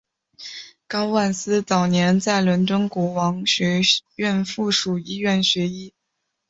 高万斯早年在伦敦国王学院附属医院学医。